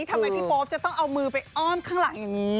ทำไมพี่โป๊ปจะต้องเอามือไปอ้อมข้างหลังอย่างนี้